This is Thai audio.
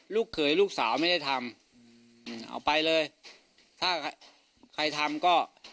เขยลูกสาวไม่ได้ทำเอาไปเลยถ้าใครทำก็